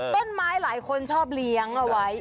ต้นไม้หลายคนชอบเลี้ยงเอาไว้